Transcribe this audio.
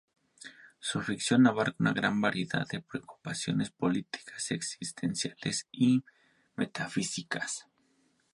Su ficción abarca una gran variedad de preocupaciones políticas, existenciales y metafísicas.